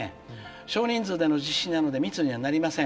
「少人数での実施なので密にはなりません。